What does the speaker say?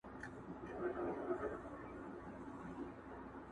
ګل ته ور نیژدې سمه اغزي مي تر زړه وخیژي.!